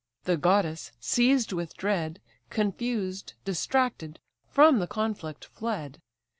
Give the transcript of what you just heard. The goddess, seized with dread, Confused, distracted, from the conflict fled.